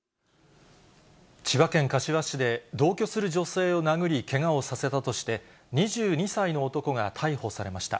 千葉県柏市で同居する女性を殴り、けがをさせたとして、２２歳の男が逮捕されました。